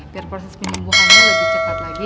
biar proses penyembuhannya lebih cepat lagi